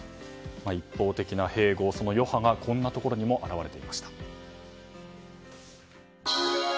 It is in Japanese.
一方的な併合の余波がこんなところにも表れていました。